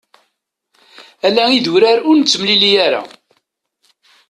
Ala idurar ur nettemlili ara.